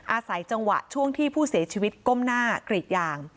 อาศัยจังหวะช่วงที่ผู้เสียชีวิตก้มหน้ากรีดยาง